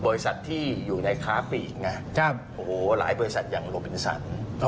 บริษัทที่อยู่ในค้าปีกนะโอ้โหหลายบริษัทอย่างโรบินสัน